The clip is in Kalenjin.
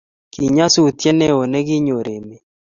kinyasutiet newon ne kinyor emet